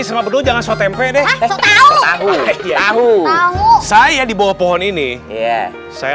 serba bener jangan so tempe deh tahu tahu saya di bawah pohon ini iya saya